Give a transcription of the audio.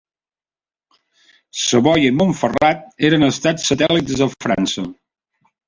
Savoia i Montferrat eren estats satèl·lit de França.